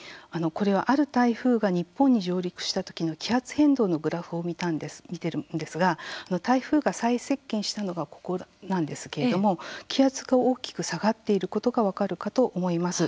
これはある台風が日本に上陸したときの気圧変動のグラフを見てるんですが台風が最接近したのがここなんですけれども気圧が大きく下がっていることが分かるかと思います。